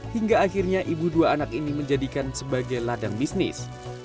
hingga akhirnya ibu dua anak ini menjadikan sebagai ladang bisnis